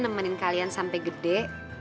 nemenin kalian sampai gede